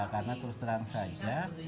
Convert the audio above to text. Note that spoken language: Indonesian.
karena terus terang saja